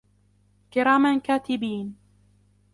كراما كاتبين